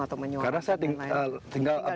atau menyuruh karena saya tinggal